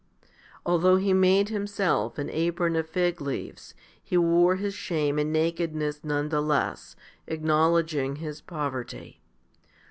Although he made himself an apron of fig leaves, he wore his shame and nakedness none the less, acknowledging his poverty.